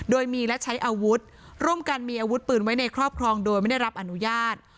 โดยมีและใช้อาวุธร่วมกันมีอาวุธปืนไว้ในครอบครองโดยไม่ได้รับอนุญาต